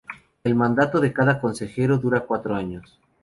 El mandato de cada consejero dura cuatro años.